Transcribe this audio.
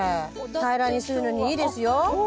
平らにするのにいいですよ。